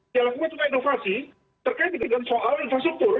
dia lakukan juga inovasi terkait dengan soal infrastruktur